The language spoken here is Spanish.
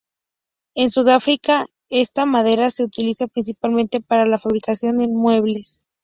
En Sudáfrica, esta madera se utiliza principalmente para la fabricación de muebles.